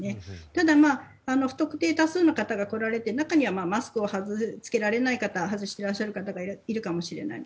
ただ、不特定多数の方が来られて中にはマスクを着けられない方外している方もいるかもしれない。